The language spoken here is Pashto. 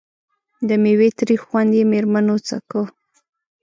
د میوې تریخ خوند یې مېرمنو څکه.